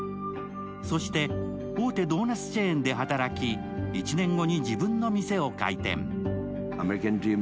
そして大手ドーナツチェーンで働き１年後に自分の店を開店。